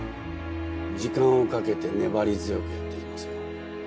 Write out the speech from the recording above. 時間をかけて粘り強くやっていきますよ。